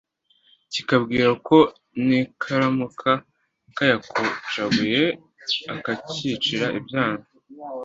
Kikabwira ko nikaramuka kayakocaguye akacyicira ibyana